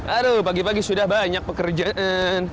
aduh pagi pagi sudah banyak pekerjaan